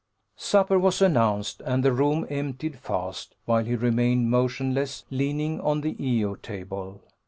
Supper was announced, and the room emptied fast, whilst he remained motionless leaning on the E O table.